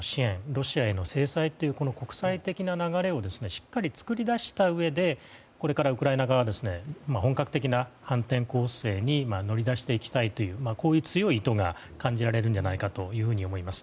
ロシアへの制裁という国際的な流れをしっかり作りだしたうえでこれからウクライナ側は本格的な反転攻勢に乗り出していきたいという強い意図が感じられると思います。